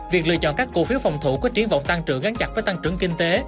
việc lựa chọn các cổ phiếu phòng thủ có triển vọng tăng trưởng gắn chặt với tăng trưởng kinh tế